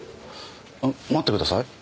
待ってください。